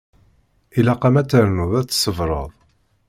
Ilaq-am ad ternuḍ ad tṣebreḍ.